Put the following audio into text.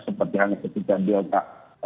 seperti yang ketika delta